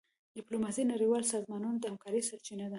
ډيپلوماسي د نړیوالو سازمانونو د همکارۍ سرچینه ده.